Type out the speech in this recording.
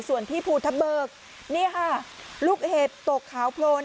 ส่วนที่ภูทะเบิกนี่ค่ะลูกเห็บตกขาวโพลน